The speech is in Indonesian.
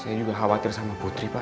saya juga khawatir sama putri pak